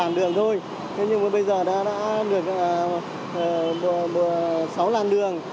nó có một làn đường thôi thế nhưng mà bây giờ nó đã được sáu làn đường